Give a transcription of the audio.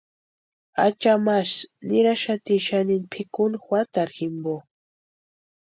Achamasï niraxati xanini pʼikuni juatarhu jimpo.